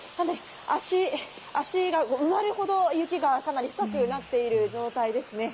私の足、足が埋まるほど、雪がかなり深くなっている状態ですね。